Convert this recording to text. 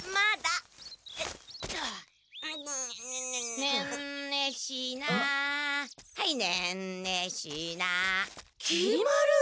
「ねんねしなはいねんねしな」きり丸！？